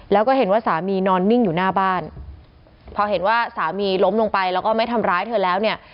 แล้วก็เห็นว่าสามีนอนนิ่งอยู่หน้าบ้านพอเห็นว่าสามีล้มลงไปแล้วก็ไม่ทำร้ายเธอแล้วเนี่ย